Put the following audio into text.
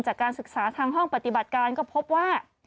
จากการศึกษาทางห้องปฏิบัติการก็พบว่า